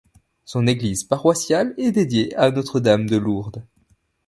Son église paroissiale est dédiée à Notre-Dame-de-Lourdes.